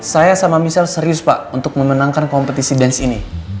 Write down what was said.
saya sama michelle serius pak untuk memenangkan kompetisi dance ini